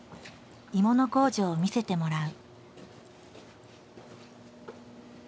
鋳物工場を見せてもらう。